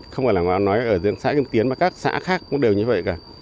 không phải là nói ở riêng xã kim tiến mà các xã khác cũng đều như vậy cả